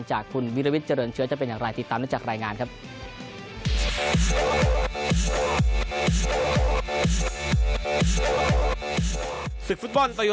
จากคุณวิระวิทย์เจริญเชื้อจะเป็นอย่างไร